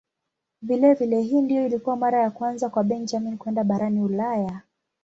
Vilevile hii ndiyo ilikuwa mara ya kwanza kwa Benjamin kwenda barani Ulaya.